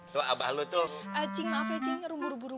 tua albah lu tuh